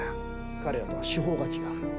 彼らとは手法が違う。